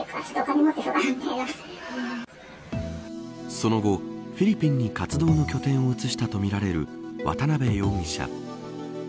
その後、フィリピンに活動の拠点を移したとみられる渡辺容疑者。